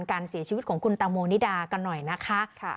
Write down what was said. การเสียชีวิตของคุณตังโมนิดากันหน่อยนะคะ